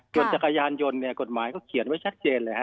จนจักรยานยนต์กฎหมายเขียนไว้ชัดเจนเลย